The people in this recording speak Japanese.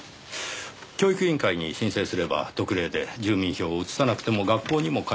教育委員会に申請すれば特例で住民票を移さなくても学校にも通えます。